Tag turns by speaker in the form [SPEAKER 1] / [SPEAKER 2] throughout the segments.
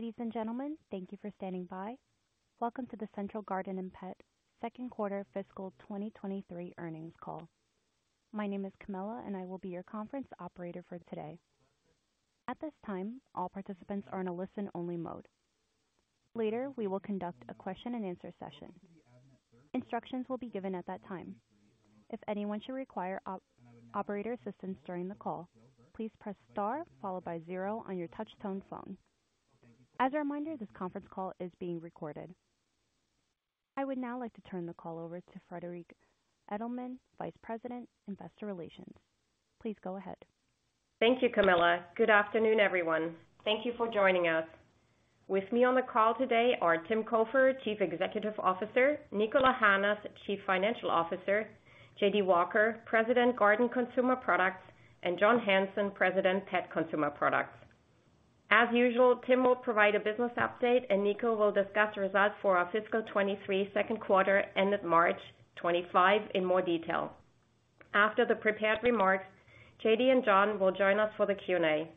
[SPEAKER 1] Ladies and gentlemen, thank you for standing by. Welcome to the Central Garden & Pet Q2 fiscal 2023 earnings call. My name is Camilla, I will be your conference operator for today. At this time, all participants are in a listen-only mode. Later, we will conduct a question-and-answer session. Instructions will be given at that time. If anyone should require operator assistance during the call, please press star followed by zero on your touch-tone phone. As a reminder, this conference call is being recorded. I would now like to turn the call over to Friederike Edelmann, Vice President, Investor Relations. Please go ahead.
[SPEAKER 2] Thank you, Camilla. Good afternoon, everyone. Thank you for joining us. With me on the call today are Tim Cofer, Chief Executive Officer, Niko Lahanas, Chief Financial Officer, J.D. Walker, President, Garden Consumer Products, and John Hanson, President, Pet Consumer Products. As usual, Tim will provide a business update, and Niko will discuss the results for our fiscal 23 Q2 end of March 25 in more detail. After the prepared remarks, J.D. and John will join us for the Q&A.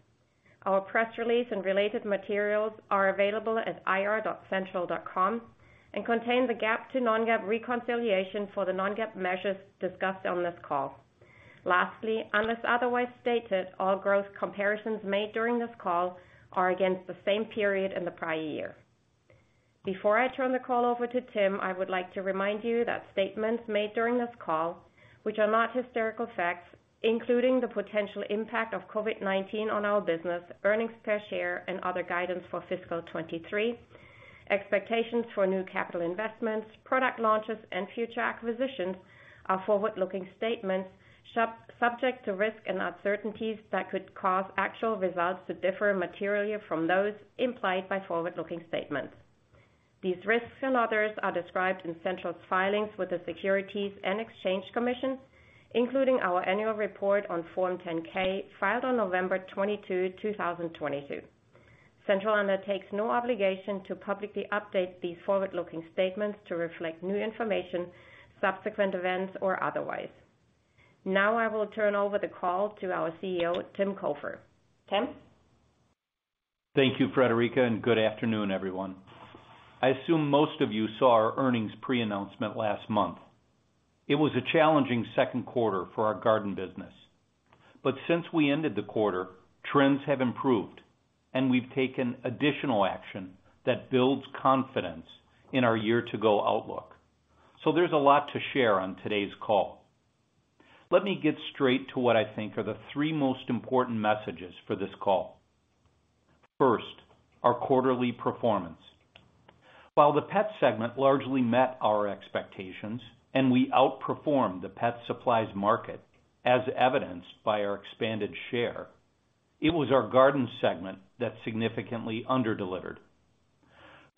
[SPEAKER 2] Our press release and related materials are available at ir.central.com and contain the GAAP to non-GAAP reconciliation for the non-GAAP measures discussed on this call. Lastly, unless otherwise stated, all growth comparisons made during this call are against the same period in the prior year. Before I turn the call over to Tim, I would like to remind you that statements made during this call, which are not historical facts, including the potential impact of COVID-19 on our business, earnings per share, and other guidance for fiscal 23, expectations for new capital investments, product launches, and future acquisitions are forward-looking statements subject to risks and uncertainties that could cause actual results to differ materially from those implied by forward-looking statements. These risks and others are described in Central's filings with the Securities and Exchange Commission, including our annual report on Form 10-K filed on November 22, 2022. Central undertakes no obligation to publicly update these forward-looking statements to reflect new information, subsequent events or otherwise. Now I will turn over the call to our CEO, Tim Cofer. Tim?
[SPEAKER 3] Thank you, Friederike. Good afternoon, everyone. I assume most of you saw our earnings pre-announcement last month. It was a challenging Q2 for our garden business. Since we ended the quarter, trends have improved, and we've taken additional action that builds confidence in our year to go outlook. There's a lot to share on today's call. Let me get straight to what I think are the three most important messages for this call. First, our quarterly performance. While the pet segment largely met our expectations and we outperformed the pet supplies market as evidenced by our expanded share, it was our garden segment that significantly under-delivered.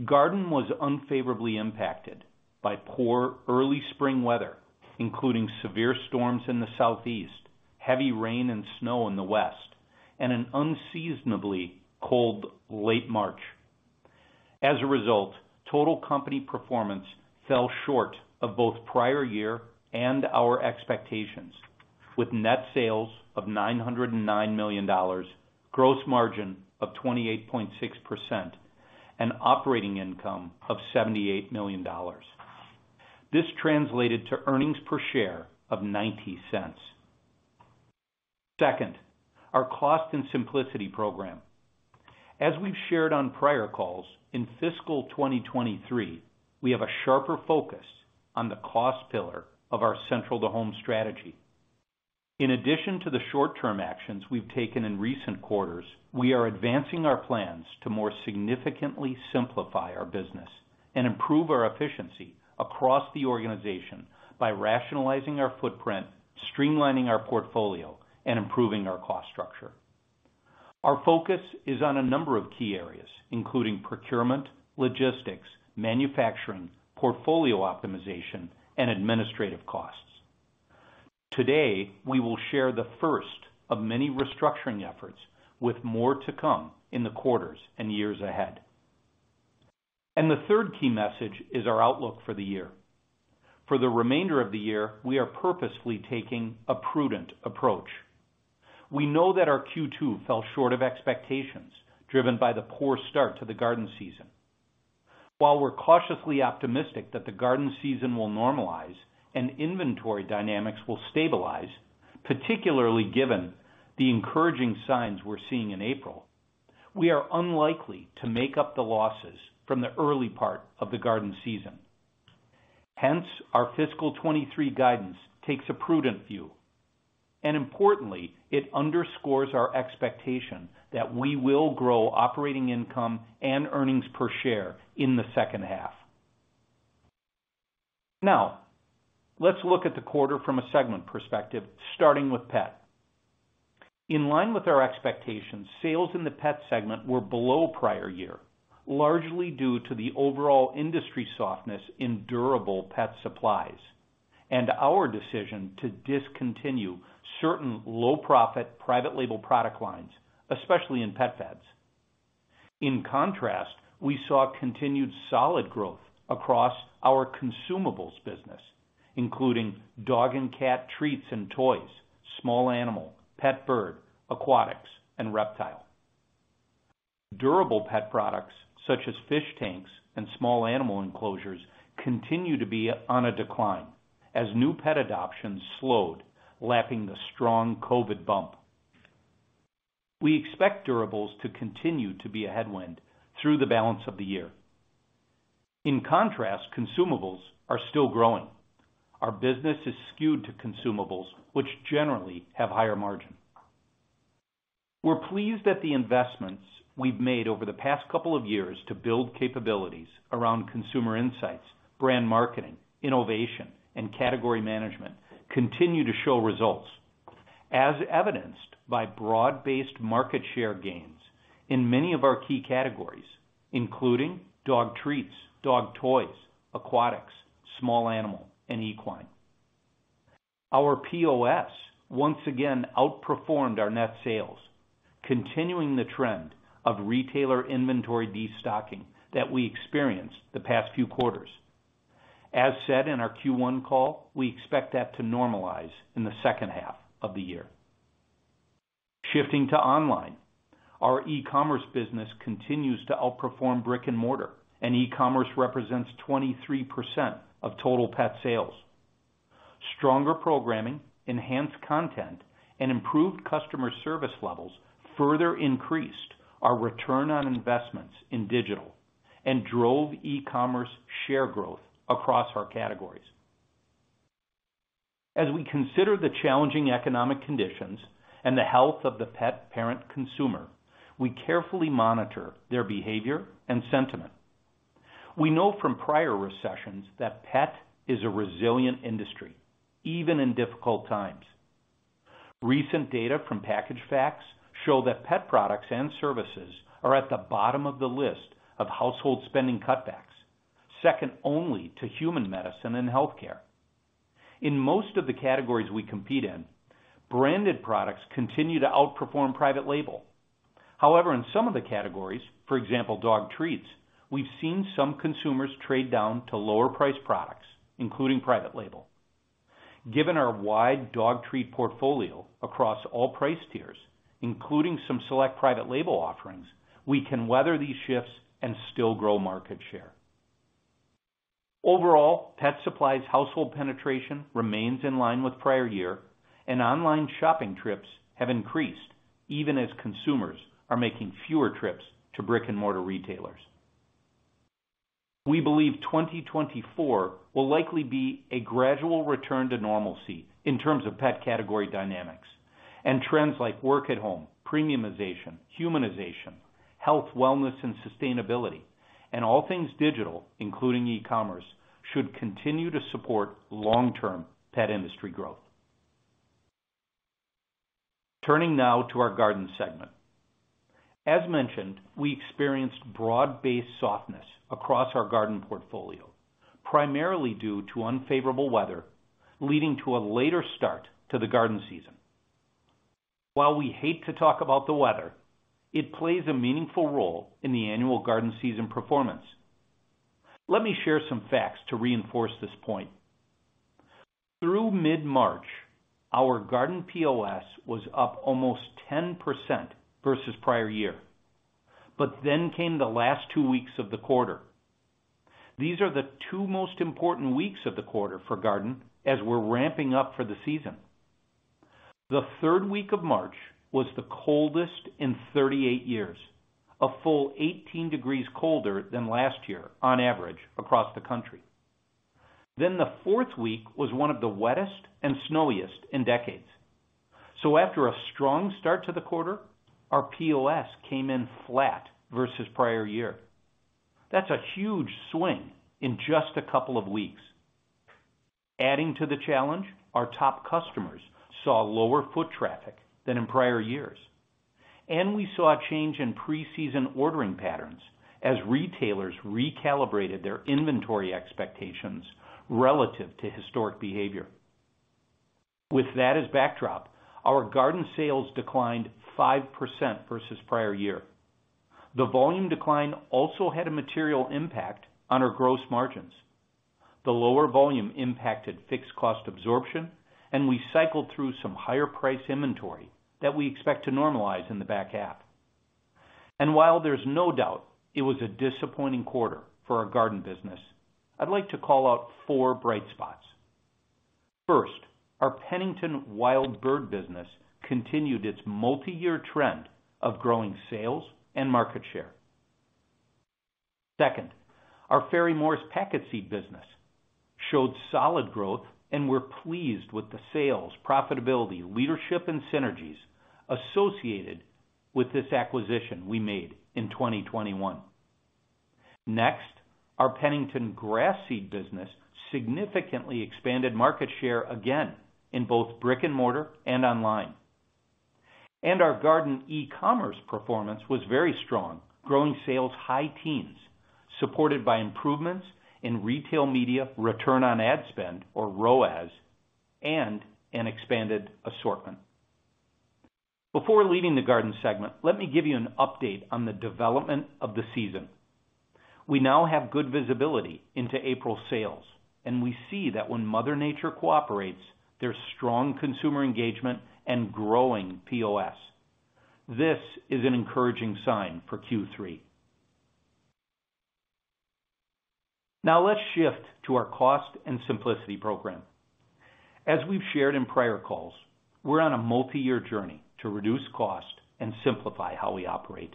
[SPEAKER 3] Garden was unfavorably impacted by poor early spring weather, including severe storms in the southeast, heavy rain and snow in the west, and an unseasonably cold late March. Total company performance fell short of both prior year and our expectations with net sales of $909 million, gross margin of 28.6% and operating income of $78 million. This translated to earnings per share of $0.90. Second, our Cost and Simplicity program. As we've shared on prior calls, in fiscal 2023, we have a sharper focus on the cost pillar of our Central to Home strategy. In addition to the short term actions we've taken in recent quarters, we are advancing our plans to more significantly simplify our business and improve our efficiency across the organization by rationalizing our footprint, streamlining our portfolio, and improving our cost structure. Our focus is on a number of key areas, including procurement, logistics, manufacturing, portfolio optimization, and administrative costs. Today, we will share the first of many restructuring efforts with more to come in the quarters and years ahead. The third key message is our outlook for the year. For the remainder of the year, we are purposefully taking a prudent approach. We know that our Q2 fell short of expectations, driven by the poor start to the garden season. While we're cautiously optimistic that the garden season will normalize and inventory dynamics will stabilize, particularly given the encouraging signs we're seeing in April, we are unlikely to make up the losses from the early part of the garden season. Hence, our fiscal 23 guidance takes a prudent view. Importantly, it underscores our expectation that we will grow operating income and earnings per share in the H2. Now, let's look at the quarter from a segment perspective, starting with Pet. In line with our expectations, sales in the Pet segment were below prior year, largely due to the overall industry softness in durable pet supplies and our decision to discontinue certain low profit private label product lines, especially in pet beds. In contrast, we saw continued solid growth across our consumables business, including dog and cat treats and toys, small animal, pet bird, aquatics, and reptile. Durable pet products, such as fish tanks and small animal enclosures, continue to be on a decline as new pet adoptions slowed, lapping the strong COVID bump. We expect durables to continue to be a headwind through the balance of the year. In contrast, consumables are still growing. Our business is skewed to consumables which generally have higher margin. We're pleased at the investments we've made over the past couple of years to build capabilities around consumer insights, brand marketing, innovation, and category management continue to show results as evidenced by broad-based market share gains in many of our key categories, including dog treats, dog toys, aquatics, small animal, and equine. Our POS once again outperformed our net sales, continuing the trend of retailer inventory destocking that we experienced the past few quarters. As said in our Q1 call, we expect that to normalize in the H2 of the year. Shifting to online, our e-commerce business continues to outperform brick-and-mortar, and e-commerce represents 23% of total pet sales. Stronger programming, enhanced content, and improved customer service levels further increased our return on investments in digital and drove e-commerce share growth across our categories. As we consider the challenging economic conditions and the health of the pet parent consumer, we carefully monitor their behavior and sentiment. We know from prior recessions that pet is a resilient industry, even in difficult times. Recent data from Packaged Facts show that pet products and services are at the bottom of the list of household spending cutbacks, second only to human medicine and healthcare. In most of the categories we compete in, branded products continue to outperform private label. However, in some of the categories, for example, dog treats, we've seen some consumers trade down to lower priced products, including private label. Given our wide dog treat portfolio across all price tiers, including some select private label offerings, we can weather these shifts and still grow market share. Overall, pet supplies household penetration remains in line with prior year, and online shopping trips have increased even as consumers are making fewer trips to brick-and-mortar retailers. We believe 2024 will likely be a gradual return to normalcy in terms of pet category dynamics and trends like work at home, premiumization, humanization, health, wellness, and sustainability, and all things digital, including e-commerce, should continue to support long-term pet industry growth. Turning now to our garden segment. As mentioned, we experienced broad-based softness across our garden portfolio, primarily due to unfavorable weather, leading to a later start to the garden season. While we hate to talk about the weather, it plays a meaningful role in the annual garden season performance. Let me share some facts to reinforce this point. Through mid-March, our garden POS was up almost 10% versus prior year, came the last two weeks of the quarter. These are the two most important weeks of the quarter for garden as we're ramping up for the season. The 3rd week of March was the coldest in 38 years, a full 18 degrees colder than last year on average across the country. The 4th week was one of the wettest and snowiest in decades. After a strong start to the quarter, our POS came in flat versus prior year. That's a huge swing in just a couple of weeks. Adding to the challenge, our top customers saw lower foot traffic than in prior years, and we saw a change in pre-season ordering patterns as retailers recalibrated their inventory expectations relative to historic behavior. With that as backdrop, our garden sales declined 5% versus prior year. The volume decline also had a material impact on our gross margins. The lower volume impacted fixed cost absorption, and we cycled through some higher price inventory that we expect to normalize in the back half. While there's no doubt it was a disappointing quarter for our garden business, I'd like to call out four bright spots. First, our Pennington Wild Bird business continued its multi-year trend of growing sales and market share. Second, our Ferry-Morse packet seed business showed solid growth, and we're pleased with the sales, profitability, leadership, and synergies associated with this acquisition we made in 2021. Next, our Pennington grass seed business significantly expanded market share again in both brick-and-mortar and online. Our garden e-commerce performance was very strong, growing sales high teens, supported by improvements in retail media, return on ad spend or ROAS, and an expanded assortment. Before leaving the garden segment, let me give you an update on the development of the season. We now have good visibility into April sales, and we see that when Mother Nature cooperates, there's strong consumer engagement and growing POS. This is an encouraging sign for Q3. Let's shift to our Cost and Simplicity program. As we've shared in prior calls, we're on a multi-year journey to reduce cost and simplify how we operate.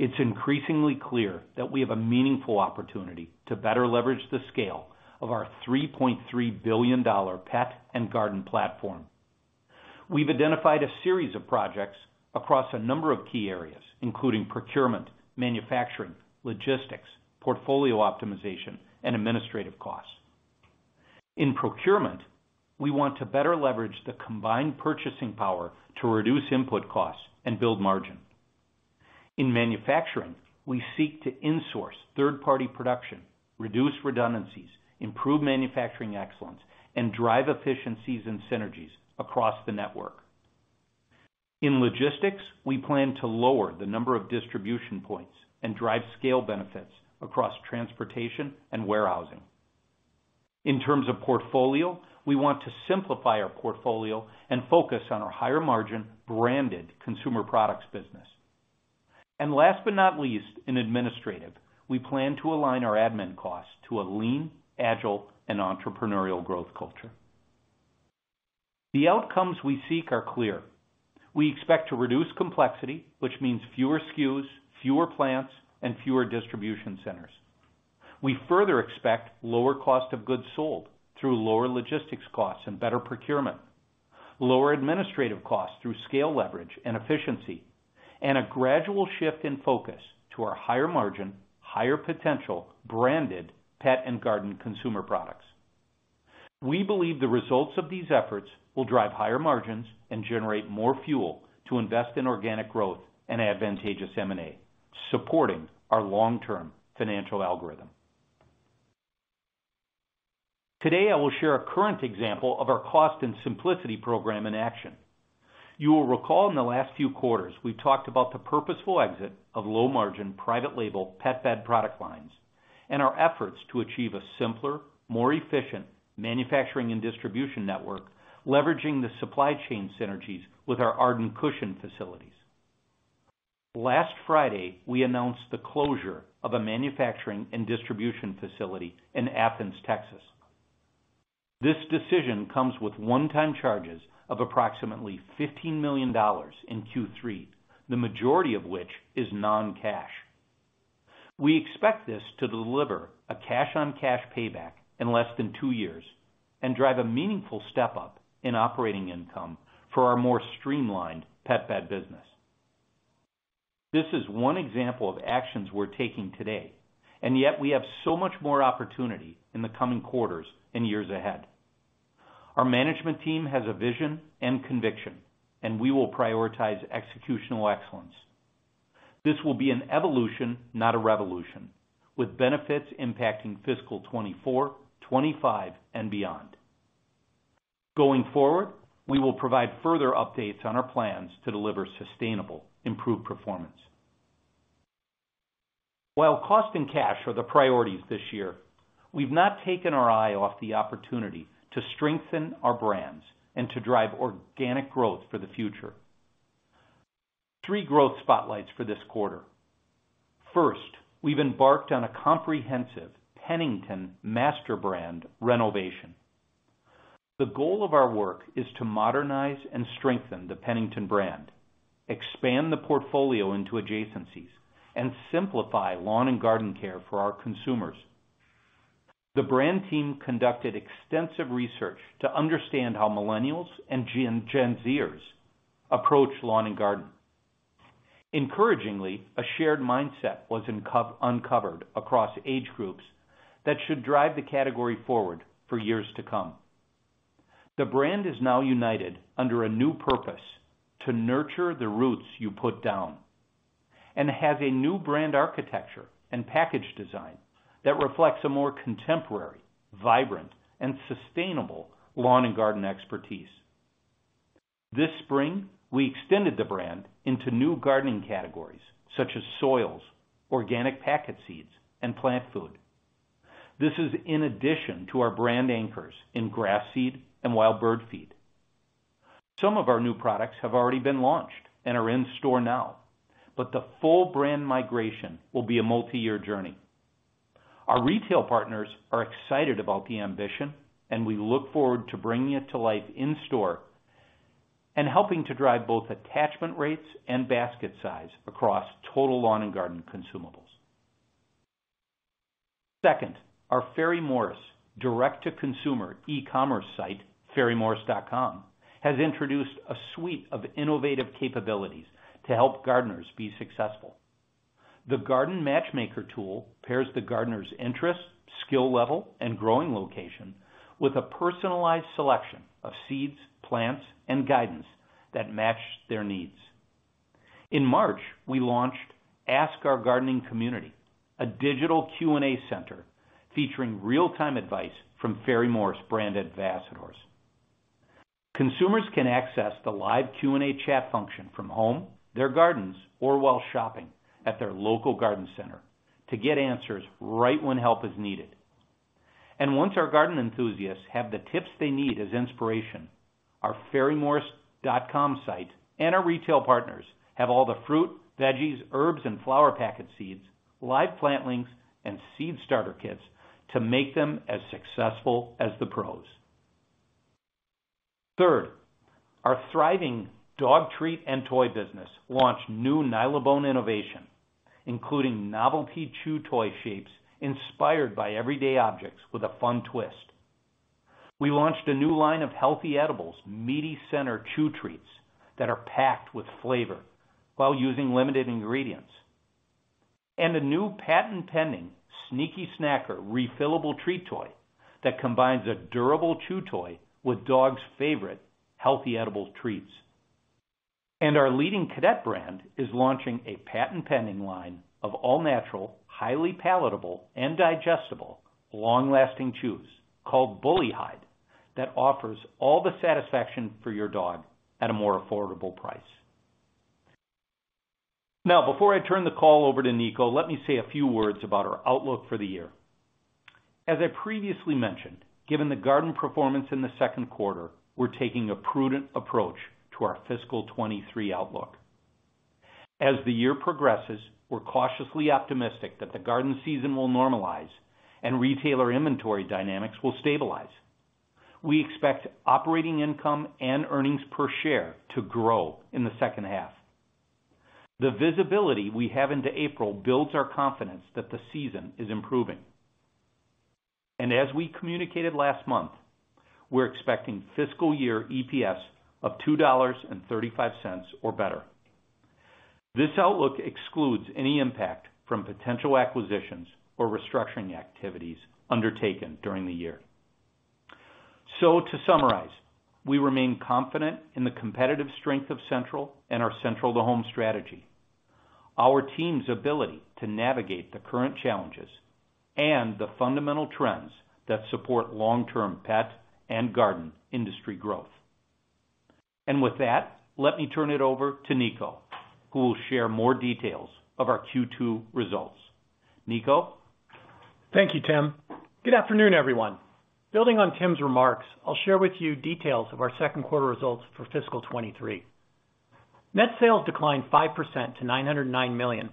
[SPEAKER 3] It's increasingly clear that we have a meaningful opportunity to better leverage the scale of our $3.3 billion pet and garden platform. We've identified a series of projects across a number of key areas, including procurement, manufacturing, logistics, portfolio optimization, and administrative costs. In procurement, we want to better leverage the combined purchasing power to reduce input costs and build margin. In manufacturing, we seek to insource third-party production, reduce redundancies, improve manufacturing excellence, and drive efficiencies and synergies across the network. In logistics, we plan to lower the number of distribution points and drive scale benefits across transportation and warehousing. In terms of portfolio, we want to simplify our portfolio and focus on our higher-margin branded consumer products business. Last but not least, in administrative, we plan to align our admin costs to a lean, agile and entrepreneurial growth culture. The outcomes we seek are clear. We expect to reduce complexity, which means fewer SKUs, fewer plants, and fewer distribution centers. We further expect lower cost of goods sold through lower logistics costs and better procurement, lower administrative costs through scale leverage and efficiency, and a gradual shift in focus to our higher margin, higher potential branded pet and garden consumer products. We believe the results of these efforts will drive higher margins and generate more fuel to invest in organic growth and advantageous M&A, supporting our long-term financial algorithm. Today, I will share a current example of our Cost and Simplicity program in action. You will recall in the last few quarters, we talked about the purposeful exit of low-margin private label pet bed product lines and our efforts to achieve a simpler, more efficient manufacturing and distribution network, leveraging the supply chain synergies with our Arden Companies facilities. Last Friday, we announced the closure of a manufacturing and distribution facility in Athens, Texas. This decision comes with one-time charges of approximately $15 million in Q3, the majority of which is non-cash. We expect this to deliver a cash-on-cash payback in less than two years and drive a meaningful step-up in operating income for our more streamlined pet bed business. This is one example of actions we're taking today, and yet we have so much more opportunity in the coming quarters and years ahead. Our management team has a vision and conviction, and we will prioritize executional excellence. This will be an evolution, not a revolution, with benefits impacting fiscal 2024, 2025, and beyond. Going forward, we will provide further updates on our plans to deliver sustainable, improved performance. While cost and cash are the priorities this year, we've not taken our eye off the opportunity to strengthen our brands and to drive organic growth for the future. Three growth spotlights for this quarter. First, we've embarked on a comprehensive Pennington master brand renovation. The goal of our work is to modernize and strengthen the Pennington brand, expand the portfolio into adjacencies, and simplify lawn and garden care for our consumers. The brand team conducted extensive research to understand how millennials and Gen Z-ers approach lawn and garden. Encouragingly, a shared mindset was uncovered across age groups that should drive the category forward for years to come. The brand is now united under a new purpose to nurture the roots you put down and have a new brand architecture and package design that reflects a more contemporary, vibrant, and sustainable lawn and garden expertise. This spring, we extended the brand into new gardening categories such as soils, organic packet seeds, and plant food. This is in addition to our brand anchors in grass seed and wild bird feed. Some of our new products have already been launched and are in store now, but the full brand migration will be a multi-year journey. Our retail partners are excited about the ambition and we look forward to bringing it to life in store and helping to drive both attachment rates and basket size across total lawn and garden consumables. Second, our Ferry-Morse direct-to-consumer e-commerce site, ferrymorse.com, has introduced a suite of innovative capabilities to help gardeners be successful. The Garden Matchmaker tool pairs the gardener's interest, skill level, and growing location with a personalized selection of seeds, plants, and guidance that match their needs. In March, we launched Ask Our Gardening Community, a digital Q&A center featuring real-time advice from Ferry-Morse branded ambassadors. Consumers can access the live Q&A chat function from home, their gardens, or while shopping at their local garden center to get answers right when help is needed. Once our garden enthusiasts have the tips they need as inspiration, our ferrymorse.com site and our retail partners have all the fruit, veggies, herbs, and flower packet seeds, live plant links, and seed starter kits to make them as successful as the pros. Third, our thriving dog treat and toy business launched new Nylabone innovation, including novelty chew toy shapes inspired by everyday objects with a fun twist. We launched a new line of Healthy Edibles, meaty center chew treats that are packed with flavor while using limited ingredients. A new patent-pending Sneaky Snacker refillable treat toy that combines a durable chew toy with dogs' favorite Healthy Edibles treats. Our leading Cadet brand is launching a patent-pending line of all-natural, highly palatable and digestible, long-lasting chews called Bully Hide that offers all the satisfaction for your dog at a more affordable price. Before I turn the call over to Niko, let me say a few words about our outlook for the year. I previously mentioned, given the garden performance in the Q2, we're taking a prudent approach to our fiscal 23 outlook. The year progresses, we're cautiously optimistic that the garden season will normalize and retailer inventory dynamics will stabilize. We expect operating income and earnings per share to grow in the H2. The visibility we have into April builds our confidence that the season is improving. As we communicated last month, we're expecting fiscal year EPS of $2.35 or better. This outlook excludes any impact from potential acquisitions or restructuring activities undertaken during the year. To summarize, we remain confident in the competitive strength of Central and our Central to Home strategy, our team's ability to navigate the current challenges, and the fundamental trends that support long-term pet and garden industry growth. With that, let me turn it over to Niko, who will share more details of our Q2 results. Niko?
[SPEAKER 4] Thank you, Tim. Good afternoon, everyone. Building on Tim's remarks, I'll share with you details of our Q2 results for fiscal 2023. Net sales declined 5% to $909 million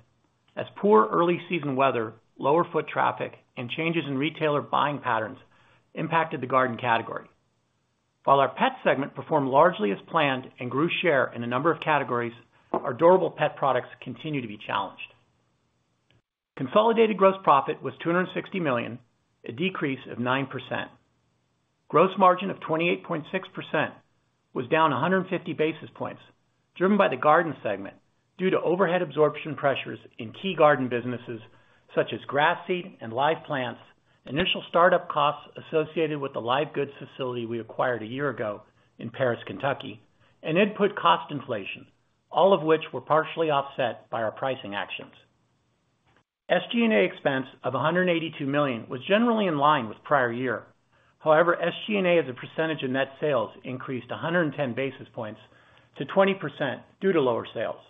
[SPEAKER 4] as poor early season weather, lower foot traffic, and changes in retailer buying patterns impacted the garden category. While our pet segment performed largely as planned and grew share in a number of categories, our durable pet products continue to be challenged. Consolidated gross profit was $260 million, a decrease of 9%. Gross margin of 28.6% was down 150 basis points, driven by the garden segment due to overhead absorption pressures in key garden businesses such as grass seed and live plants, initial startup costs associated with the live goods facility we acquired a year ago in Paris, Kentucky, and input cost inflation, all of which were partially offset by our pricing actions. SG&A expense of $182 million was generally in line with prior year. SG&A as a percentage of net sales increased 110 basis points to 20% due to lower sales.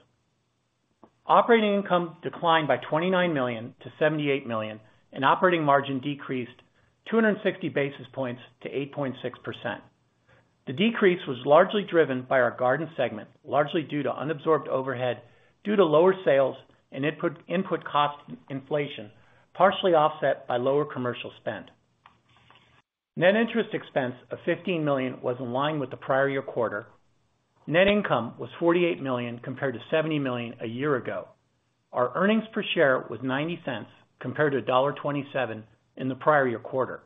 [SPEAKER 4] Operating income declined by $29-78 million, operating margin decreased 260 basis points to 8.6%. The decrease was largely driven by our garden segment, largely due to unabsorbed overhead due to lower sales and input cost inflation, partially offset by lower commercial spend. Net interest expense of $15 million was in line with the prior year quarter. Net income was $48 million compared to $70 million a year ago. Our earnings per share was $0.90 compared to $1.27 in the prior year quarter.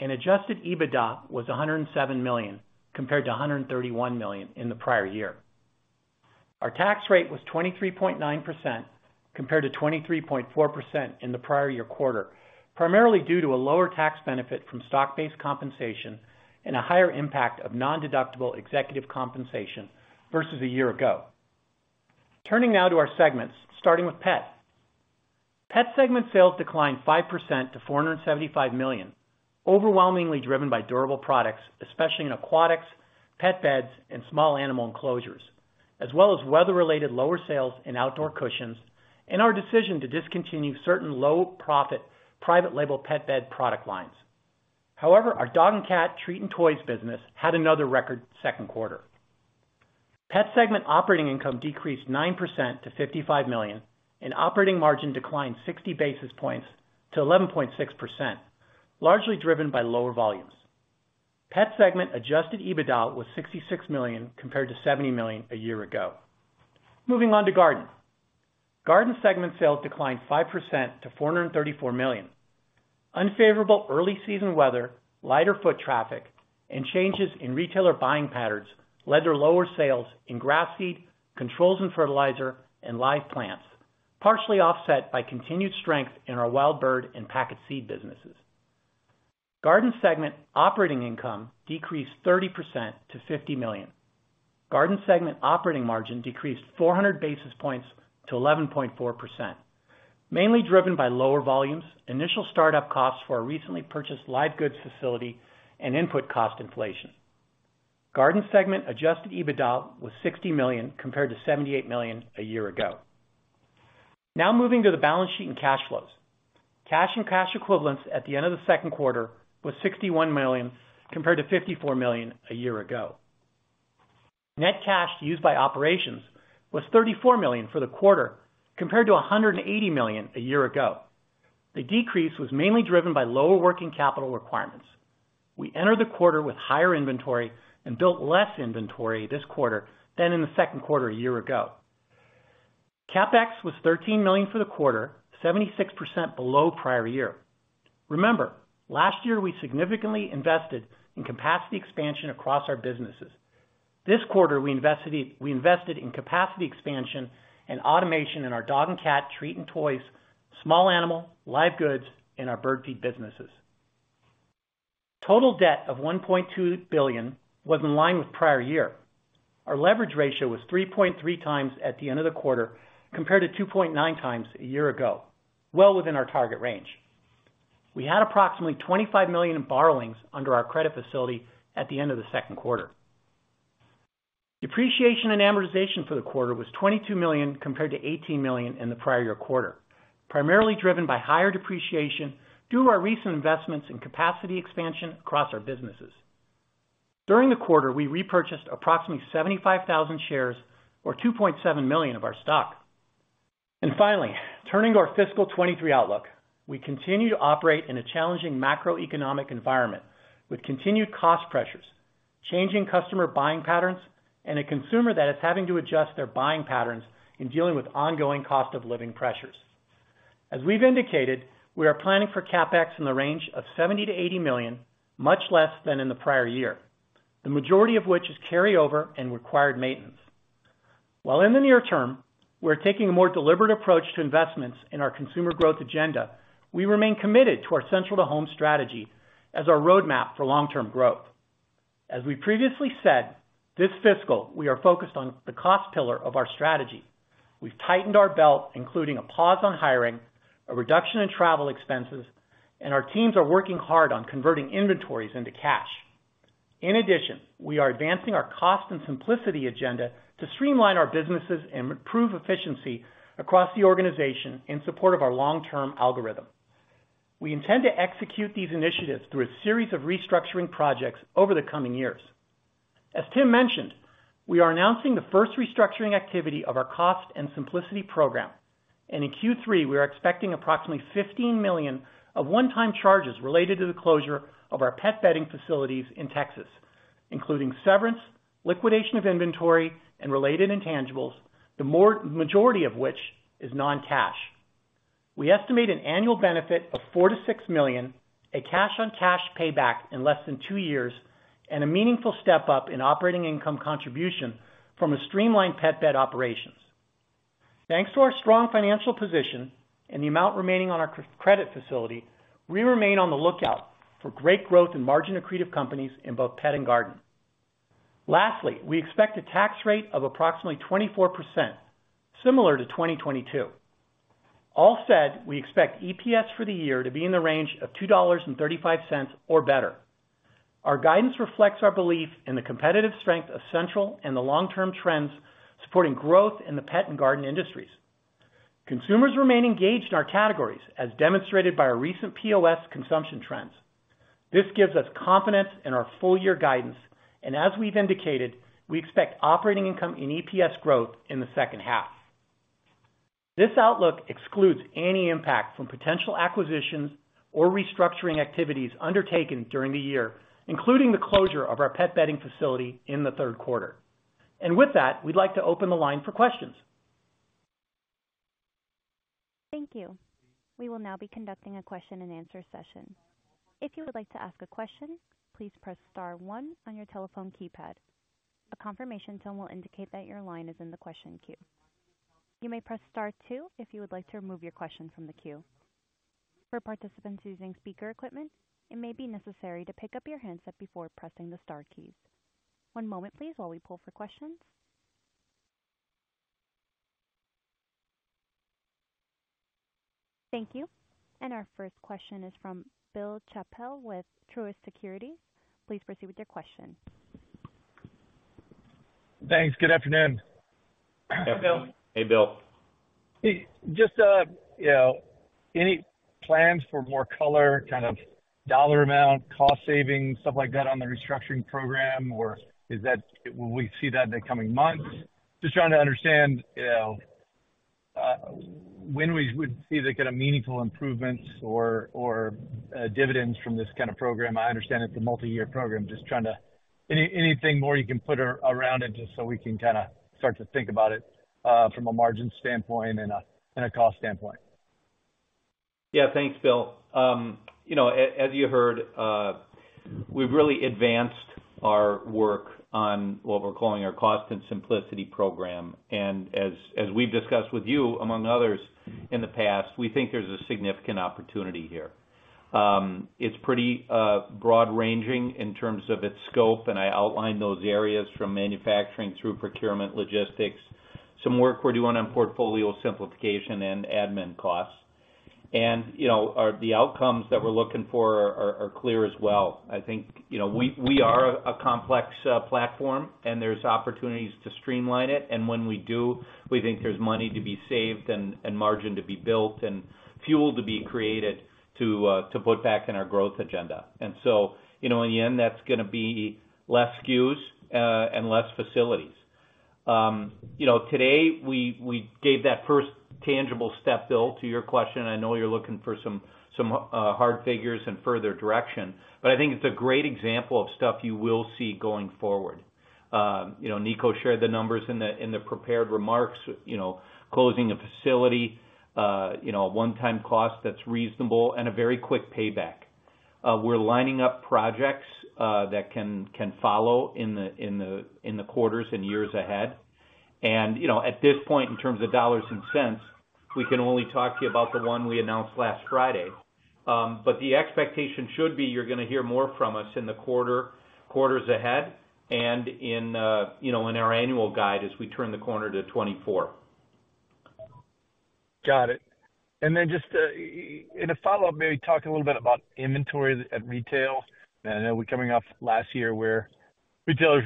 [SPEAKER 4] Adjusted EBITDA was $107 million compared to $131 million in the prior year. Our tax rate was 23.9% compared to 23.4% in the prior year quarter, primarily due to a lower tax benefit from stock-based compensation and a higher impact of nondeductible executive compensation versus a year ago. Turning now to our segments, starting with pet. Pet segment sales declined 5% to $475 million, overwhelmingly driven by durable products, especially in aquatics, pet beds, and small animal enclosures, as well as weather-related lower sales in outdoor cushions, and our decision to discontinue certain low profit private label pet bed product lines. Our dog and cat treat and toys business had another record Q2. Pet segment operating income decreased 9% to $55 million, and operating margin declined 60 basis points to 11.6%, largely driven by lower volumes. Pet segment adjusted EBITDA was $66 million compared to $70 million a year ago. Moving on to Garden. Garden segment sales declined 5% to $434 million. Unfavorable early season weather, lighter foot traffic, and changes in retailer buying patterns led to lower sales in grass seed, controls and fertilizer, and live plants, partially offset by continued strength in our wild bird and packet seed businesses. Garden segment operating income decreased 30% to $50 million. Garden segment operating margin decreased 400 basis points to 11.4%, mainly driven by lower volumes, initial start-up costs for a recently purchased live goods facility and input cost inflation. Garden segment adjusted EBITDA was $60 million compared to $78 million a year ago. Now moving to the balance sheet and cash flows. Cash and cash equivalents at the end of the Q2 was $61 million compared to $54 million a year ago. Net cash used by operations was $34 million for the quarter compared to $180 million a year ago. The decrease was mainly driven by lower working capital requirements. We entered the quarter with higher inventory and built less inventory this quarter than in the Q2 a year ago. CapEx was $13 million for the quarter, 76% below prior year. Remember, last year, we significantly invested in capacity expansion across our businesses. This quarter, we invested in capacity expansion and automation in our dog and cat treat and toys, small animal, live goods, and our bird feed businesses. Total debt of $1.2 billion was in line with prior year. Our leverage ratio was 3.3x at the end of the quarter compared to 2.9x a year ago, well within our target range. We had approximately $25 million in borrowings under our credit facility at the end of the Q2. Depreciation and amortization for the quarter was $22 million compared to $18 million in the prior year quarter, primarily driven by higher depreciation due to our recent investments in capacity expansion across our businesses. During the quarter, we repurchased approximately 75,000 shares or $2.7 million of our stock. Finally, turning to our fiscal 23 outlook. We continue to operate in a challenging macroeconomic environment with continued cost pressures, changing customer buying patterns, and a consumer that is having to adjust their buying patterns in dealing with ongoing cost of living pressures. As we've indicated, we are planning for CapEx in the range of $70-80 million, much less than in the prior year, the majority of which is carryover and required maintenance. While in the near term, we're taking a more deliberate approach to investments in our consumer growth agenda. We remain committed to our Central to Home strategy as our roadmap for long-term growth. As we previously said, this fiscal, we are focused on the cost pillar of our strategy. We've tightened our belt, including a pause on hiring, a reduction in travel expenses, and our teams are working hard on converting inventories into cash. In addition, we are advancing our Cost and Simplicity agenda to streamline our businesses and improve efficiency across the organization in support of our long-term algorithm. We intend to execute these initiatives through a series of restructuring projects over the coming years. As Tim mentioned, we are announcing the first restructuring activity of our Cost and Simplicity program. In Q3, we are expecting approximately $15 million of one-time charges related to the closure of our pet bedding facilities in Texas, including severance, liquidation of inventory, and related intangibles, the majority of which is non-cash. We estimate an annual benefit of $4-6 million, a cash-on-cash payback in less than two years, and a meaningful step-up in operating income contribution from a streamlined pet bed operations. Thanks to our strong financial position and the amount remaining on our credit facility, we remain on the lookout for great growth in margin accretive companies in both pet and garden. Lastly, we expect a tax rate of approximately 24%, similar to 2022. All said, we expect EPS for the year to be in the range of $2.35 or better. Our guidance reflects our belief in the competitive strength of Central and the long-term trends supporting growth in the pet and garden industries. Consumers remain engaged in our categories, as demonstrated by our recent POS consumption trends. This gives us confidence in our full-year guidance, and as we've indicated, we expect operating income and EPS growth in the H2. This outlook excludes any impact from potential acquisitions or restructuring activities undertaken during the year, including the closure of our pet bedding facility in the Q3. With that, we'd like to open the line for questions.
[SPEAKER 1] Thank you. We will now be conducting a question-and-answer session. If you would like to ask a question, please press star one on your telephone keypad. A confirmation tone will indicate that your line is in the question queue. You may press star two if you would like to remove your question from the queue. For participants using speaker equipment, it may be necessary to pick up your handset before pressing the star keys. One moment please while we pull for questions. Thank you. Our first question is from Bill Chappell with Truist Securities. Please proceed with your question.
[SPEAKER 5] Thanks. Good afternoon.
[SPEAKER 4] Hi, Bill.
[SPEAKER 1] Hey, Bill.
[SPEAKER 5] Just, you know, any plans for more color, kind of dollar amount, cost savings, stuff like that on the restructuring program? Will we see that in the coming months? Just trying to understand, you know, when we would see the kind of meaningful improvements or dividends from this kind of program. I understand it's a multi-year program. Just trying to. Anything more you can put around it just so we can kinda start to think about it from a margin standpoint and a cost standpoint.
[SPEAKER 4] Yeah. Thanks, Bill. You know, as you heard, from
[SPEAKER 3] We've really advanced our work on what we're calling our Cost and Simplicity program. As we've discussed with you among others in the past, we think there's a significant opportunity here. It's pretty broad ranging in terms of its scope, and I outlined those areas from manufacturing through procurement, logistics, some work we're doing on portfolio simplification and admin costs. You know, the outcomes that we're looking for are clear as well. I think, you know, we are a complex platform and there's opportunities to streamline it. When we do, we think there's money to be saved and margin to be built and fuel to be created to put back in our growth agenda. You know, in the end, that's gonna be less SKUs and less facilities. You know, today, we gave that first tangible step, Bill, to your question, I know you're looking for some hard figures and further direction, but I think it's a great example of stuff you will see going forward. You know, Niko shared the numbers in the prepared remarks, you know, closing a facility, you know, a one-time cost that's reasonable and a very quick payback. We're lining up projects that can follow in the quarters and years ahead. You know, at this point, in terms of dollars and cents, we can only talk to you about the 1 we announced last Friday. The expectation should be, you're gonna hear more from us in the quarters ahead and in, you know, in our annual guide as we turn the corner to 2024.
[SPEAKER 5] Got it. Then just in a follow-up, maybe talk a little bit about inventory at retail. I know we're coming off last year where retailers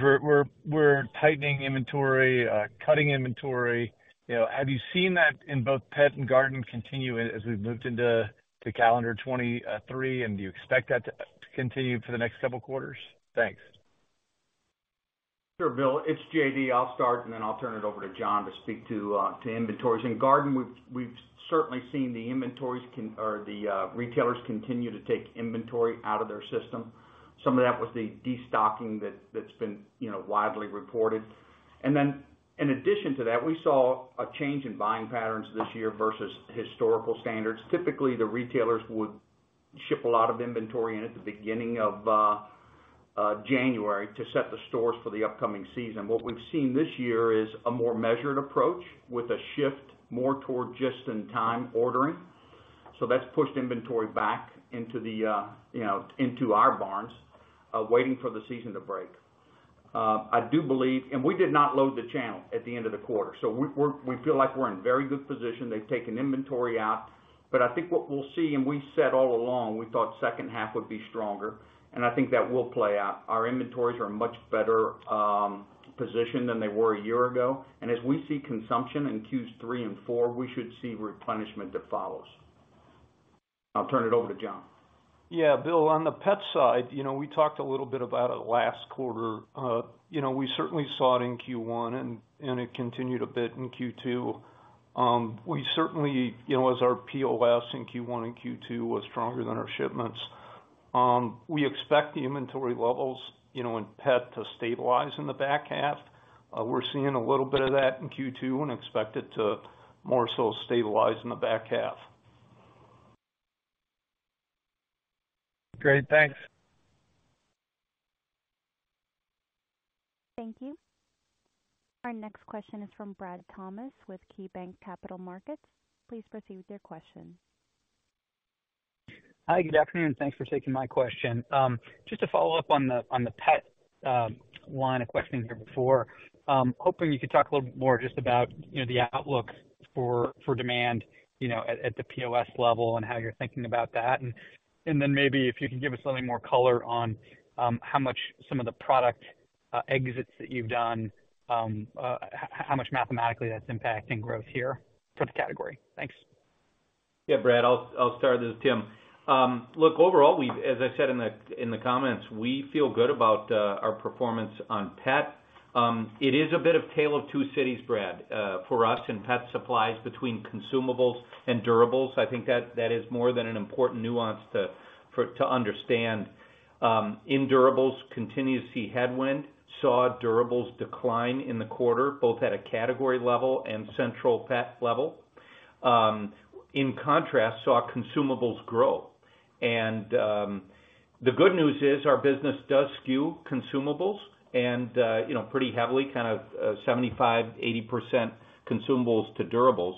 [SPEAKER 5] were tightening inventory, cutting inventory. You know, have you seen that in both pet and garden continue as we've moved into the calendar 2023, and do you expect that to continue for the next couple of quarters? Thanks.
[SPEAKER 6] Sure, Bill. It's J.D., I'll start, and then I'll turn it over to John to speak to inventories. In Garden, we've certainly seen the inventories or the retailers continue to take inventory out of their system. Some of that was the destocking that's been, you know, widely reported. In addition to that, we saw a change in buying patterns this year versus historical standards. Typically, the retailers would ship a lot of inventory in at the beginning of January to set the stores for the upcoming season. What we've seen this year is a more measured approach with a shift more toward just-in-time ordering. That's pushed inventory back into the, you know, into our barns, waiting for the season to break.
[SPEAKER 3] I do believe. We did not load the channel at the end of the quarter. We feel like we're in very good position. They've taken inventory out. I think what we'll see, and we said all along, we thought H2 would be stronger, and I think that will play out. Our inventories are much better positioned than they were a year ago. As we see consumption in Q3 and 4, we should see replenishment that follows. I'll turn it over to John.
[SPEAKER 7] Yeah, Bill, on the pet side, you know, we talked a little bit about it last quarter. You know, we certainly saw it in Q1 and it continued a bit in Q2. We certainly, you know, as our POS in Q1 and Q2 was stronger than our shipments. We expect the inventory levels, you know, in pet to stabilize in the back half. We're seeing a little bit of that in Q2 and expect it to more so stabilize in the back half.
[SPEAKER 5] Great. Thanks.
[SPEAKER 1] Thank you. Our next question is from Brad Thomas with KeyBanc Capital Markets. Please proceed with your question.
[SPEAKER 8] Hi, good afternoon. Thanks for taking my question. Just to follow up on the, on the pet, line of questioning here before, hoping you could talk a little bit more just about, you know, the outlook for demand, you know, at the POS level and how you're thinking about that. Then maybe if you could give us a little more color on, how much some of the product, exits that you've done, how much mathematically that's impacting growth here for the category? Thanks.
[SPEAKER 3] Yeah, Brad, I'll start this, Tim. Look, overall, we've, as I said in the comments, we feel good about our performance on pet. It is a bit of Tale of Two Cities, Brad, for us in pet supplies between consumables and durables. I think that is more than an important nuance to understand. In durables, continue to see headwind. Saw durables decline in the quarter, both at a category level and Central pet level. In contrast, saw consumables grow. The good news is our business does skew consumables and, you know, pretty heavily kind of 75%, 80% consumables to durables.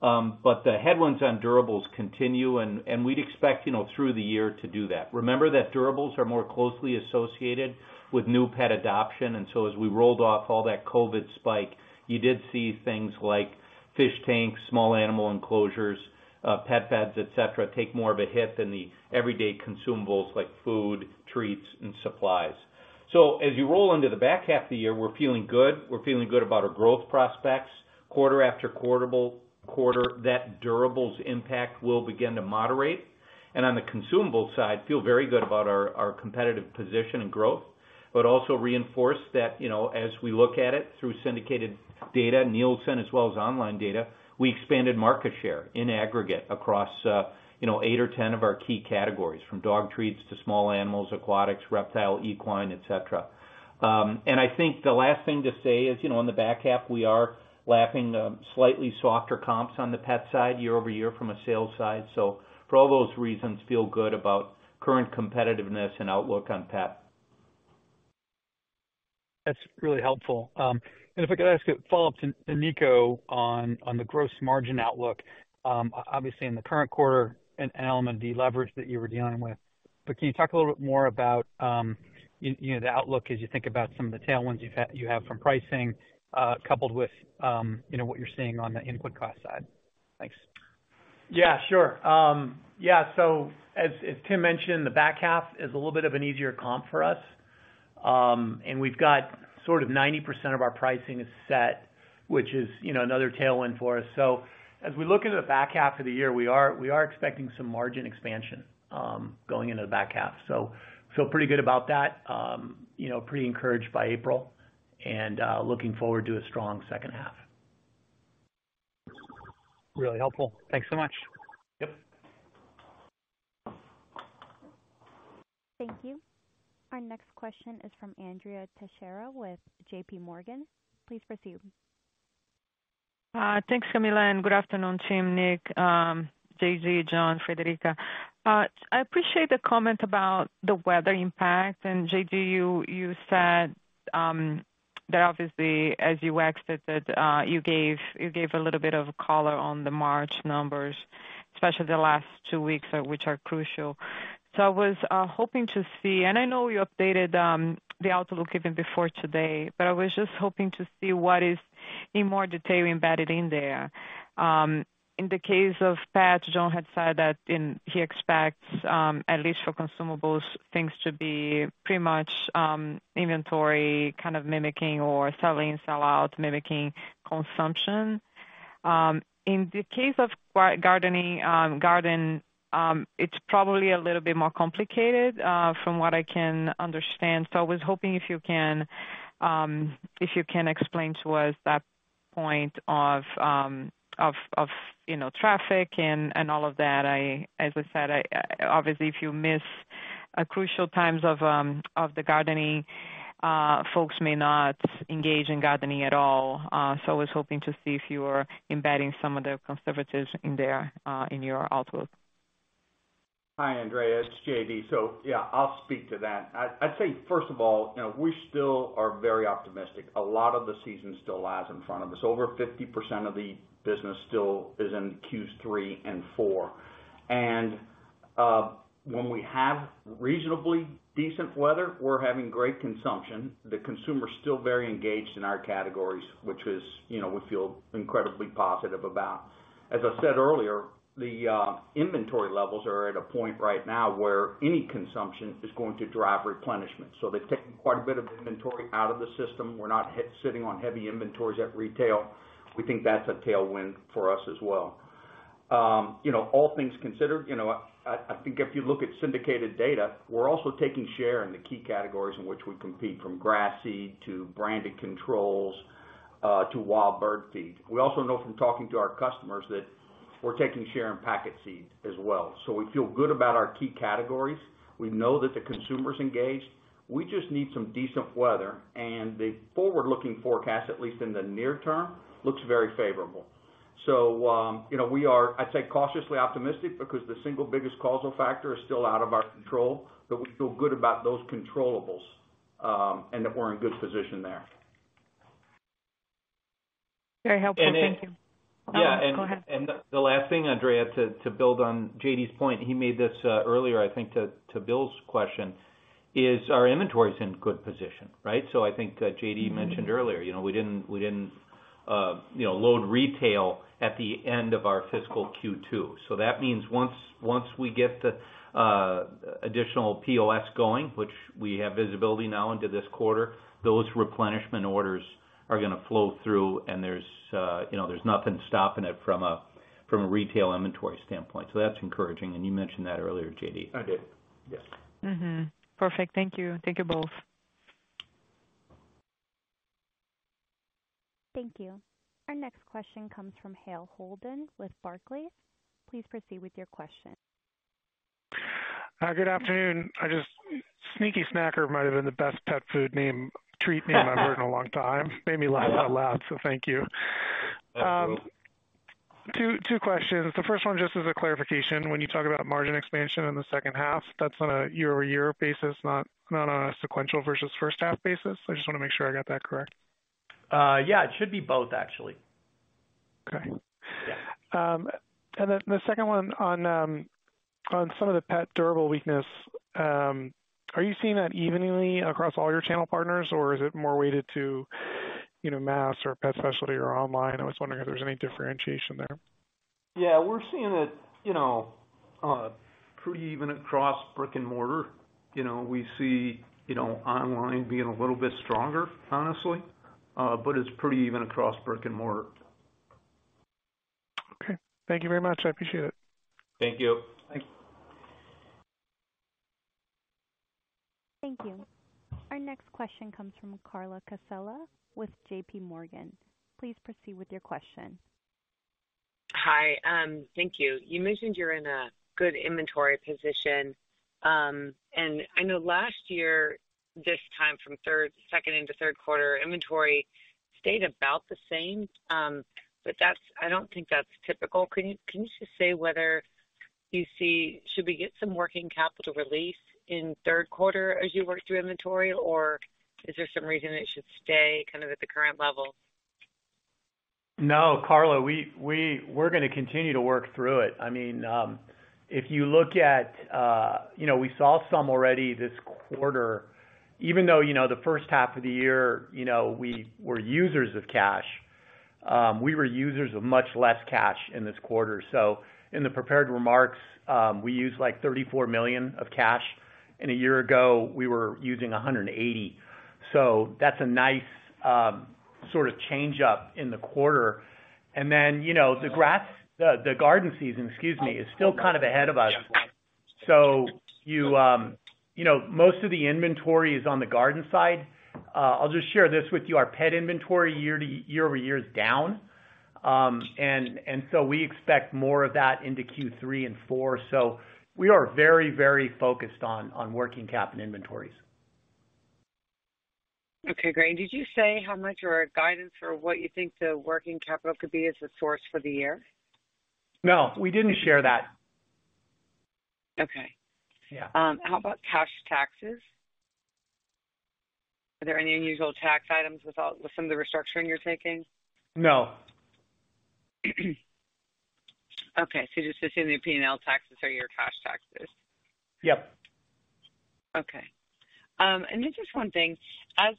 [SPEAKER 3] The headwinds on durables continue and we'd expect, you know, through the year to do that. Remember that durables are more closely associated with new pet adoption. As we rolled off all that COVID spike, you did see things like fish tanks, small animal enclosures, pet beds, et cetera, take more of a hit than the everyday consumables like food, treats, and supplies. As you roll into the back half of the year, we're feeling good. We're feeling good about our growth prospects quarter after quarter, that durables impact will begin to moderate. On the consumable side, feel very good about our competitive position and growth, but also reinforce that, you know, as we look at it through syndicated data, Nielsen as well as online data, we expanded market share in aggregate across, you know, 8 or 10 of our key categories, from dog treats to small animals, aquatics, reptile, equine, et cetera. I think the last thing to say is, you know, on the back half, we are lapping, slightly softer comps on the pet side year-over-year from a sales side. For all those reasons, feel good about current competitiveness and outlook on pet.
[SPEAKER 9] That's really helpful. If I could ask a follow-up to Niko on the gross margin outlook. Obviously in the current quarter, an element of the leverage that you were dealing with. Can you talk a little bit more about, you know, the outlook as you think about some of the tailwinds you have from pricing, coupled with, you know, what you're seeing on the input cost side? Thanks.
[SPEAKER 4] Yeah, sure. Yeah. As, as Tim mentioned, the back half is a little bit of an easier comp for us. And we've got sort of 90% of our pricing is set, which is, you know, another tailwind for us. As we look into the back half of the year, we are expecting some margin expansion going into the back half. Feel pretty good about that. You know, pretty encouraged by April and looking forward to a strong H2.
[SPEAKER 9] Really helpful. Thanks so much.
[SPEAKER 4] Yep.
[SPEAKER 1] Thank you. Our next question is from Andrea Teixeira with JPMorgan. Please proceed.
[SPEAKER 10] Thanks, Camilla, good afternoon, team Nick, J.D., John, Friederike. I appreciate the comment about the weather impact. J.D., you said that obviously, as you exited, you gave a little bit of color on the March numbers, especially the last two weeks, which are crucial. I was hoping to see, and I know you updated the outlook even before today, but I was just hoping to see what is in more detail embedded in there. In the case of patch, John had said that he expects at least for consumables, things to be pretty much inventory kind of mimicking or selling, sell out, mimicking consumption. In the case of gardening, garden, it's probably a little bit more complicated, from what I can understand. I was hoping if you can, if you can explain to us that point of, you know, traffic and all of that. As I said, I, obviously, if you miss a crucial times of the gardening, folks may not engage in gardening at all. I was hoping to see if you were embedding some of the conservatives in there, in your outlook.
[SPEAKER 6] Hi, Andrea, it's J.D. Yeah, I'll speak to that. I'd say first of all, you know, we still are very optimistic. A lot of the season still lies in front of us. Over 50% of the business still is in Q3 and Q4. When we have reasonably decent weather, we're having great consumption. The consumer is still very engaged in our categories, which is, you know, we feel incredibly positive about. As I said earlier, the inventory levels are at a point right now where any consumption is going to drive replenishment. They've taken quite a bit of inventory out of the system. We're not sitting on heavy inventories at retail. We think that's a tailwind for us as well. You know, all things considered, you know, I think if you look at syndicated data, we're also taking share in the key categories in which we compete from grass seed to branded controls, to wild bird feed. We also know from talking to our customers that we're taking share in packet seed as well. We feel good about our key categories. We know that the consumer's engaged. We just need some decent weather. The forward-looking forecast, at least in the near term, looks very favorable. You know, we are, I'd say, cautiously optimistic because the single biggest causal factor is still out of our control. We feel good about those controllables, and that we're in good position there.
[SPEAKER 10] Very helpful. Thank you.
[SPEAKER 4] And it-
[SPEAKER 10] Oh, go ahead.
[SPEAKER 4] The last thing, Andrea Teixeira, to build on J.D. Walker's point, he made this earlier, I think to Bill Chappell's question is our inventory is in good position, right? J.D. Walker mentioned earlier, you know, we didn't, you know, load retail at the end of our fiscal Q2. That means once we get the additional POS going, which we have visibility now into this quarter, those replenishment orders are gonna flow through. There's, you know, nothing stopping it from a retail inventory standpoint. That's encouraging. You mentioned that earlier, J.D. Walker.
[SPEAKER 6] I did, yes.
[SPEAKER 10] Perfect. Thank you. Thank you both.
[SPEAKER 1] Thank you. Our next question comes from Hale Holden with Barclays. Please proceed with your question.
[SPEAKER 9] Good afternoon. Sneaky Snacker might have been the best pet food name, treat name I've heard in a long time. Made me laugh out loud. Thank you.
[SPEAKER 6] That's cool.
[SPEAKER 9] Two questions. The first one just as a clarification. When you talk about margin expansion in the H2, that's on a year-over-year basis, not on a sequential versus H1 basis? I just wanna make sure I got that correct.
[SPEAKER 4] Yeah, it should be both, actually.
[SPEAKER 9] Okay.
[SPEAKER 4] Yeah.
[SPEAKER 9] The second one on some of the pet durable weakness, are you seeing that evenly across all your channel partners, or is it more weighted to mass or pet specialty or online? I was wondering if there's any differentiation there.
[SPEAKER 6] Yeah, we're seeing it, you know, pretty even across brick-and-mortar. You know, we see, you know, online being a little bit stronger, honestly. it's pretty even across brick-and-mortar.
[SPEAKER 9] Okay. Thank you very much. I appreciate it.
[SPEAKER 4] Thank you.
[SPEAKER 6] Thank you.
[SPEAKER 1] Thank you. Our next question comes from Carla Casella with JPMorgan. Please proceed with your question.
[SPEAKER 11] Hi. Thank you. You mentioned you're in a good inventory position. I know last year, this time from second into Q3 inventory stayed about the same. That's I don't think that's typical. Can you just say.
[SPEAKER 10] You see, should we get some working capital release in Q3 as you work through inventory? Or is there some reason it should stay kind of at the current level?
[SPEAKER 4] Carla, we're gonna continue to work through it. I mean, you know, we saw some already this quarter, even though, you know, the H1 of the year, you know, we were users of cash, we were users of much less cash in this quarter. In the prepared remarks, we used, like, $34 million of cash, and a year ago, we were using $180 million. That's a nice, sort of change-up in the quarter. You know, the garden season, excuse me, is still kind of ahead of us. You, you know, most of the inventory is on the garden side. I'll just share this with you. Our pet inventory year-over-year is down. We expect more of that into Q3 and Q4. We are very focused on working capital inventories.
[SPEAKER 10] Okay, great. Did you say how much or guidance for what you think the working capital could be as a source for the year?
[SPEAKER 4] No, we didn't share that.
[SPEAKER 10] Okay.
[SPEAKER 4] Yeah.
[SPEAKER 10] How about cash taxes? Are there any unusual tax items with some of the restructuring you're taking?
[SPEAKER 4] No.
[SPEAKER 10] Just assuming P&L taxes are your cash taxes.
[SPEAKER 4] Yep.
[SPEAKER 10] Okay. Just one thing. As,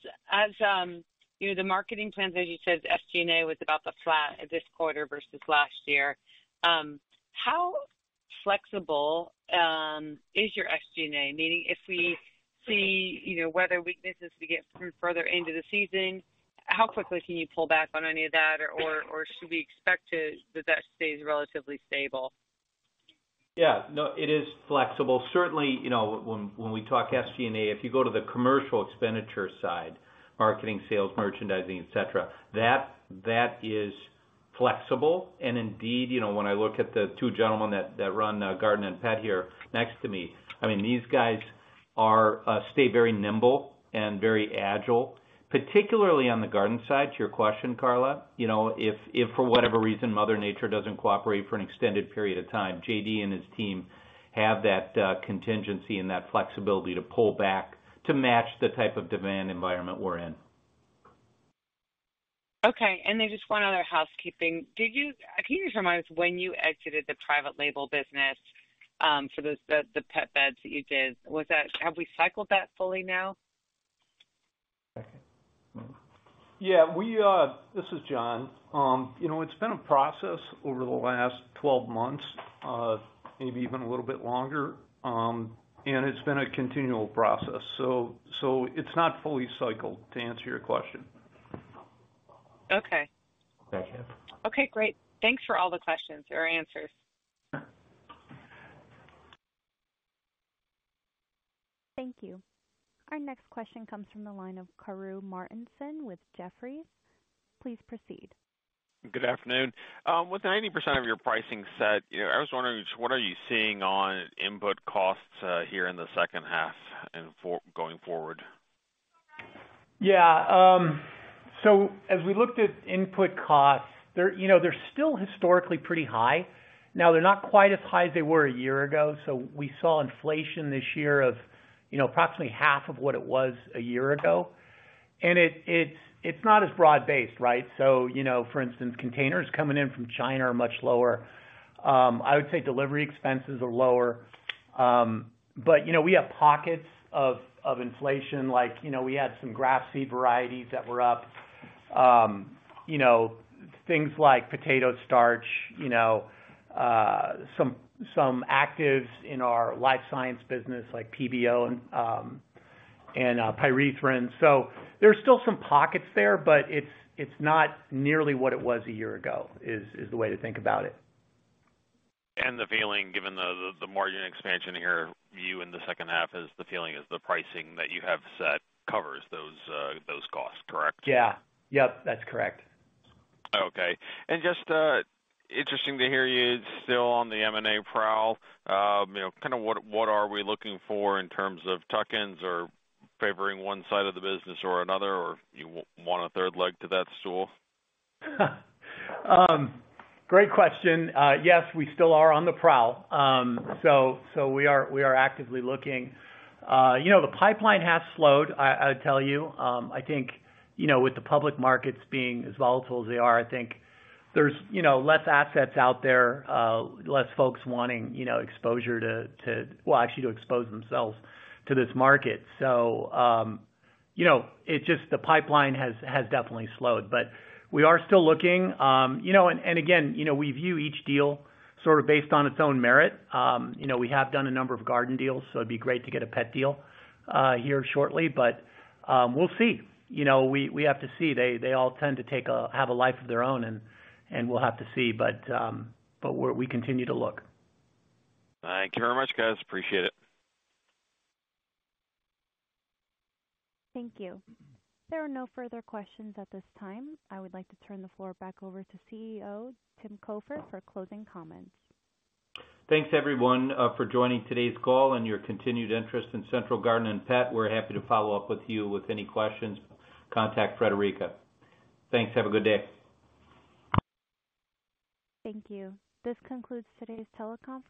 [SPEAKER 10] you know, the marketing plans, as you said, SG&A was about the flat this quarter versus last year. How flexible is your SG&A? Meaning, if we see, you know, weather weaknesses to get through further into the season, how quickly can you pull back on any of that or should we expect that stays relatively stable?
[SPEAKER 4] No, it is flexible. Certainly, you know, when we talk SG&A, if you go to the commercial expenditure side, marketing, sales, merchandising, et cetera, that is flexible. Indeed, you know, when I look at the two gentlemen that run garden and pet here next to me, I mean, these guys are stay very nimble and very agile, particularly on the garden side. To your question, Carla, you know, if for whatever reason Mother Nature doesn't cooperate for an extended period of time, J.D. and his team have that contingency and that flexibility to pull back to match the type of demand environment we're in.
[SPEAKER 10] Okay. Just one other housekeeping. Can you just remind us when you exited the private label business, the pet beds that you did? Have we cycled that fully now?
[SPEAKER 7] Yeah, we. This is John. You know, it's been a process over the last 12 months, maybe even a little bit longer. It's been a continual process, so it's not fully cycled, to answer your question.
[SPEAKER 10] Okay.
[SPEAKER 4] Thank you.
[SPEAKER 10] Okay, great. Thanks for all the questions or answers.
[SPEAKER 1] Thank you. Our next question comes from the line of Karru Martinson with Jefferies. Please proceed.
[SPEAKER 12] Good afternoon. With 90% of your pricing set, you know, I was wondering, what are you seeing on input costs here in the H2 and going forward?
[SPEAKER 4] Yeah. As we looked at input costs, they're, you know, they're still historically pretty high. Now, they're not quite as high as they were a year ago. We saw inflation this year of, you know, approximately half of what it was a year ago. It's not as broad-based, right? You know, for instance, containers coming in from China are much lower. I would say delivery expenses are lower. You know, we have pockets of inflation. Like, you know, we had some grass seed varieties that were up. You know, things like potato starch, you know, some actives in our life science business like PBO and pyrethrin. There's still some pockets there, but it's not nearly what it was a year ago, is the way to think about it.
[SPEAKER 12] The feeling, given the margin expansion here, view in the H2 is the feeling is the pricing that you have set covers those costs, correct?
[SPEAKER 4] Yeah. Yep, that's correct.
[SPEAKER 12] Okay. Just interesting to hear you still on the M&A prowl. You know, kinda what are we looking for in terms of tuck-ins or favoring one side of the business or another or you want a third leg to that stool?
[SPEAKER 4] Great question. Yes, we still are on the prowl. We are actively looking. You know, the pipeline has slowed, I'd tell you. I think, you know, with the public markets being as volatile as they are, I think there's, you know, less assets out there, less folks wanting, you know, exposure to well, actually to expose themselves to this market. You know, it's just the pipeline has definitely slowed, but we are still looking. You know, and again, you know, we view each deal sort of based on its own merit. You know, we have done a number of garden deals, so it'd be great to get a pet deal here shortly. We'll see. You know, we have to see. They all tend to take a life of their own and we'll have to see. We continue to look.
[SPEAKER 12] Thank you very much, guys. Appreciate it.
[SPEAKER 1] Thank you. There are no further questions at this time. I would like to turn the floor back over to CEO, Tim Cofer, for closing comments.
[SPEAKER 4] Thanks, everyone, for joining today's call and your continued interest in Central Garden & Pet. We're happy to follow up with you with any questions. Contact Friederike. Thanks. Have a good day.
[SPEAKER 1] Thank you. This concludes today's teleconference.